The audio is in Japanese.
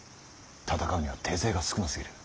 戦うには手勢が少なすぎる。